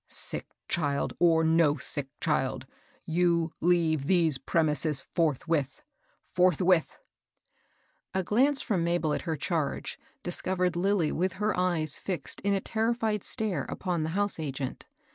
Sick child, or no sick child, you leave these premises forthwith — fortkwiOL^^ A glance from Mabel at her charge discovered Lilly with her eyes fixed in a terrified stare upon the house agent.